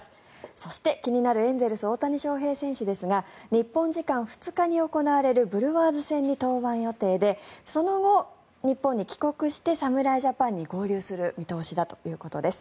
そして、気になるエンゼルス、大谷翔平選手ですが日本時間２日に行われるブルワーズ戦に登板予定でその後、日本に帰国して侍ジャパンに合流する見通しだということです。